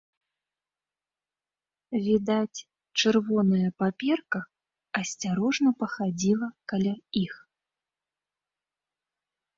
Відаць, чырвоная паперка асцярожна пахадзіла каля іх.